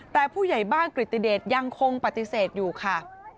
แต่ผู้ใหญ่บ้านกฤติเดชยังคงปฏิเสธอยู่ค่ะ